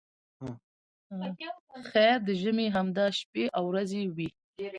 خیر د ژمي همدا شپې او ورځې وې.